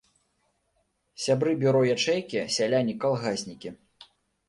Сябры бюро ячэйкі, сяляне, калгаснікі.